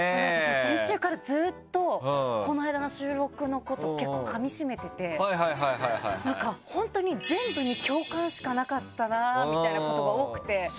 先週からずっとこの間の収録のこと結構かみ締めてて、本当に全部に共感しかなかったなみたいなことが多くて。